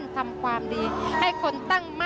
สวัสดีครับ